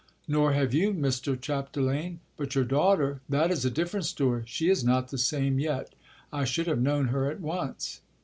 "Nor have you, Mr. Chapdelaine. But your daughter, that is a different story; she is not the same, yet I should have known her at once."